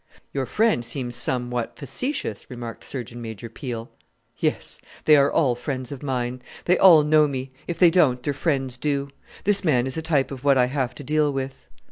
"Your friend seems somewhat facetious," remarked Surgeon Major Peel. "Yes, they are all friends of mine. They all know me: if they don't, their friends do. This man is a type of what I have to deal with."